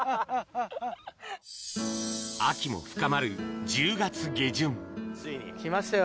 秋も深まる１０月下旬ついに来ましたよ。